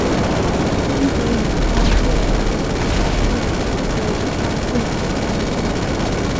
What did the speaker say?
三浦羽花介为尾花介科羽花介属下的一个种。